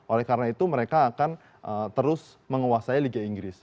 oleh karena itu mereka akan terus menguasai liga inggris